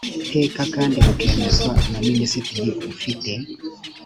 teka kandi rukemezwa na minisitiri ufite